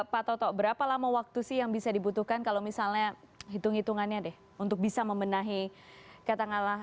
pak toto berapa lama waktu sih yang bisa dibutuhkan kalau misalnya hitung hitungannya deh untuk bisa membenahi katakanlah